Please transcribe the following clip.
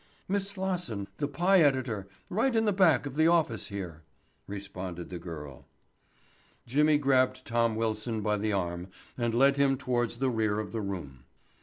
"Miss Slosson, the pie editor—right in the back of the office here," responded the girl. Jimmy grabbed Tom Wilson by the arm and led him towards the rear of the room.